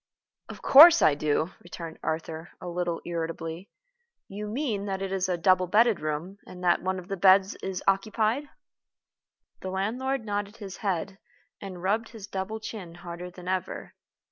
"Of course I do," returned Arthur, a little irritably. "You mean that it is a double bedded room, and that one of the beds is occupied?" The land lord nodded his head, and rubbed his double chin harder than ever.